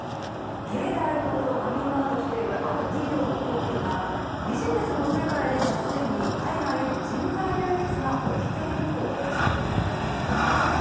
ゲイであることをカミングアウトしているある企業のトップはビジネスの世界では、既に海外への人材流出が起きていると話しています